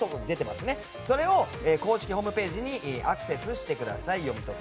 そこから公式ホームページにアクセスしてください。